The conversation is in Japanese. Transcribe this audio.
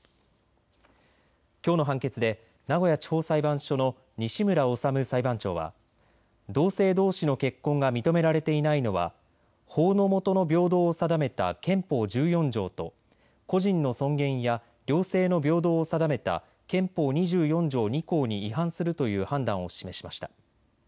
きょうの判決で名古屋地方裁判所の西村修裁判長は同性どうしの結婚が認められていないのは法の下の平等を定めた憲法１４条と個人の尊厳や両性の平等を定めた憲法２４条２項に違反するという判断を示しました。